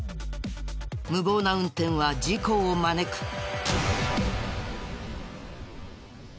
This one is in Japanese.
無謀な運転は事故を招く。